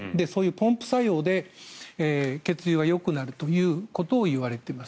ポンプ作用で血流がよくなるということが言われています。